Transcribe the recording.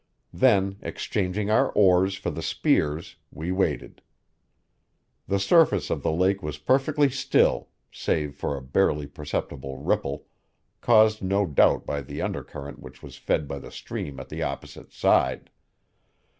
Then, exchanging our oars for the spears, we waited. The surface of the lake was perfectly still, save for a barely perceptible ripple, caused no doubt by the undercurrent which was fed by the stream at the opposite side.